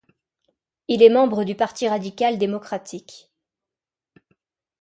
Il est membre du Parti radical-démocratique.